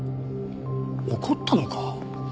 怒ったのか？